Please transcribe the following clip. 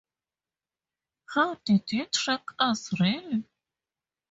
How did you track us, really?